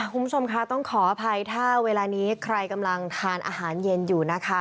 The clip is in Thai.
คุณผู้ชมค่ะต้องขออภัยถ้าเวลานี้ใครกำลังทานอาหารเย็นอยู่นะคะ